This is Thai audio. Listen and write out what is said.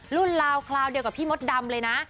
ราวคราวเดียวกับพี่มดดำเลยนะ